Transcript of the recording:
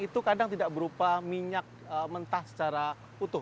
itu kadang tidak berupa minyak mentah secara utuh